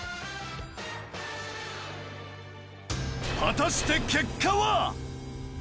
果たして結果は？